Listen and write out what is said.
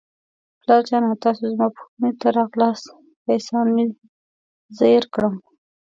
پلار جانه، تاسو زما پوښتنې ته راغلاست، په احسان مې زیر کړم.